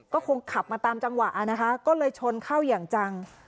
ก็คงขับมาตามจังหวะนะคะก็เลยชนเข้าอย่างจัง